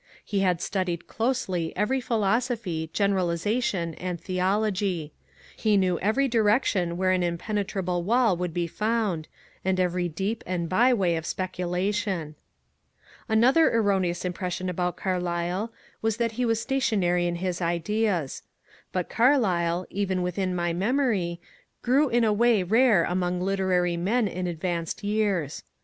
He had studied closely every philosophy, generalization, and theology. He knew every direction where an impenetrable wall would be found, and every deep and byway of speculation. Another erroneous impression about Carlyle is that he was stationary in his ideas. But Carlyle, even within my memory, grew in a way rare among literary men in advanced years.